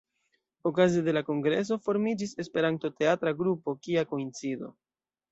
Okaze de la kongreso formiĝis Esperanto-teatra grupo "Kia koincido".